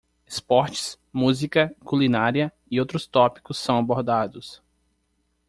Esportes? música? culinária e outros tópicos são abordados.